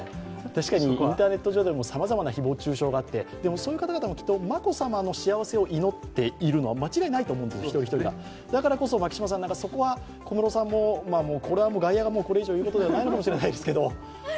インターネット上でもさまざまな誹謗中傷があってでも、そういう方々も眞子さまの幸せを一人一人が祈っているのは間違いないと思うんです、だからこそそこは小室さんもこれは外野がこれ以上言うことではないのかもしれないですけども。